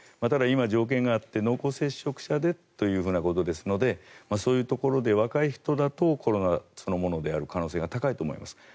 ただ、今、条件があって濃厚接触者ということですのでそういうところで若い人だとコロナそのものである可能性が高いと思います。